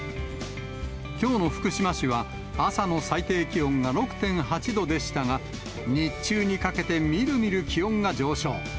きょうの福島市は朝の最低気温が６．８度でしたが、日中にかけてみるみる気温が上昇。